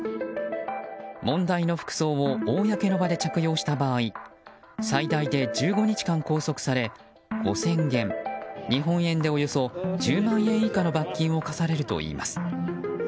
問題の服装を公の場で着用した場合最大で１５日間拘束され５０００元日本円でおよそ１０万円以下の罰金を科されるといいます。